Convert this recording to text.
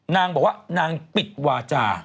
นางบอกว่านางปิดวาจา